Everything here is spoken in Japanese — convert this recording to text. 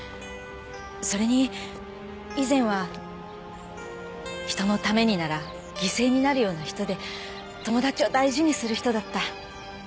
それに以前は人のためになら犠牲になるような人で友達を大事にする人だった。